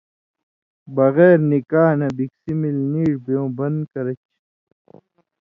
بغیر نکاح نہ بِکسی مِلیۡ نیڙ بیوں بَن کر چھی۔